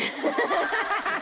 ハハハハ！